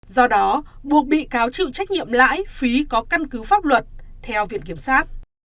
do đó buộc bị cáo chịu trách nhiệm lãi phí có căn cứ pháp luật theo viện kiểm sát